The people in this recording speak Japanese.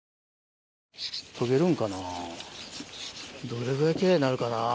どれぐらい奇麗になるかな？